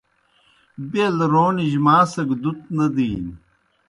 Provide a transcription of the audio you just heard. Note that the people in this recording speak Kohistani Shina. بیل رونِجیْ ماں سگہ دُت نہ دِینیْ